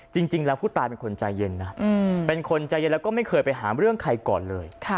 จริงแล้วผู้ตายเป็นคนใจเย็นนะเป็นคนใจเย็นแล้วก็ไม่เคยไปหาเรื่องใครก่อนเลย